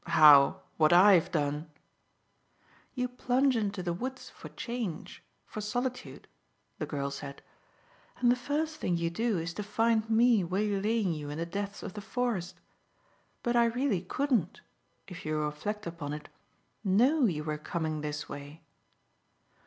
"How, what I'VE done?" "You plunge into the woods for change, for solitude," the girl said, "and the first thing you do is to find me waylaying you in the depths of the forest. But I really couldn't if you'll reflect upon it know you were coming this way."